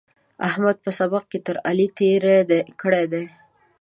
احمد په سبق کې تر علي تېری کړی دی.